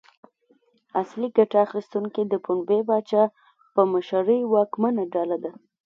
اصلي ګټه اخیستونکي د پنبې پاچا په مشرۍ واکمنه ډله ده.